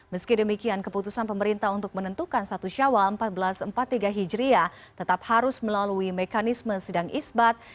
meski demikian keputusan pemerintah untuk menentukan satu syawal seribu empat ratus empat puluh tiga hijriah tetap harus melalui mekanisme sidang isbat